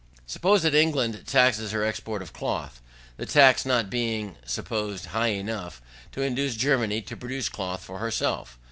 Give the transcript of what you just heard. Suppose that England taxes her export of cloth: the tax not being supposed high enough to induce Germany to produce cloth for herself.